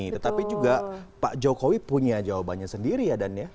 tetapi juga pak jokowi punya jawabannya sendiri ya dan ya